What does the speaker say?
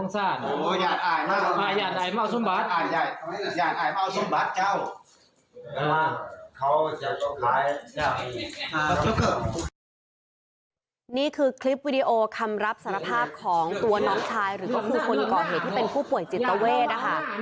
นี่คือคลิปวีดีโอคำรับสรรพาทของตัวน้องชายอาการไหวที่ป่วยกันนะครับ